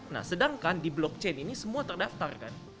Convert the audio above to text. nah sedangkan di blockchain ini semua terdaftar kan